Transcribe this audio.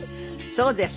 そうです。